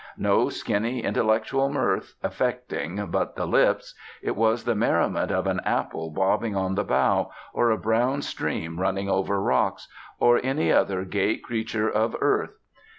No skinny, intellectual mirth, affecting but the lips! It was the merriment of an apple bobbing on the bough, or a brown stream running over rocks, or any other gay creature of earth.